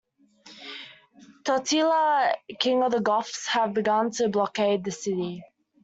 Totila, King of the Goths, had begun to blockade the city.